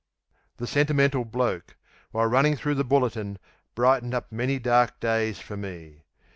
"The Sentimental Bloke", while running through the Bulletin, brightened up many dark days for me.